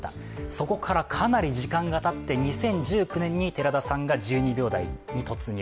そこからかなり時間が経って２０１９年に寺田さんが１２秒台に突入。